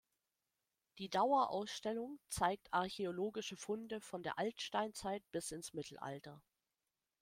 Die Dauerausstellung zeigt archäologische Funde von der Altsteinzeit bis ins Mittelalter.